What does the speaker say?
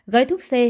gói thuốc c